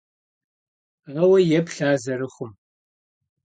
Aue yêplh ar zerıxhum.